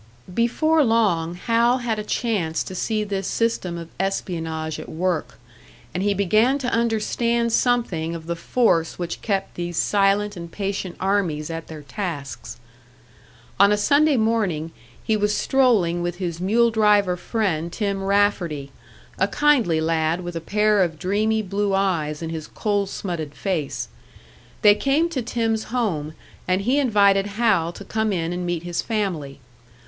Before long Hal had a chance to see this system of espionage at work, and he began to understand something of the force which kept these silent and patient armies at their tasks. On a Sunday morning he was strolling with his mule driver friend Tim Rafferty, a kindly lad with a pair of dreamy blue eyes in his coal smutted face. They came to Tim's home, and he invited Hal to come in and meet his family.